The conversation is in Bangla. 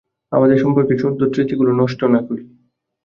আমাদের সম্পর্কের সুন্দর স্মৃতিগুলো নষ্ট না করি।